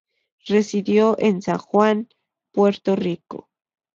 Residió en San Juan, Puerto Rico.